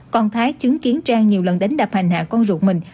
còn thái chứng kiến trang nhiều lần đánh đập hành hạ con ruột mình